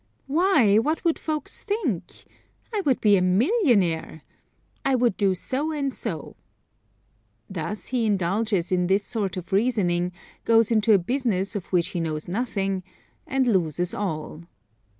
Why! what would folks think? I would be a millionaire. I would do so and so. Thus he indulges in this sort of reasoning, goes into a business of which he knows nothing and loses all.